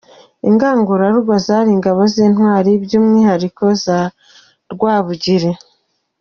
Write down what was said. Ingangurarugo zari ingabo z’intwari by’umwihariko za Rwabugiri.